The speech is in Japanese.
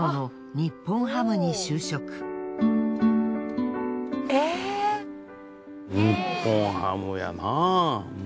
日本ハムやな。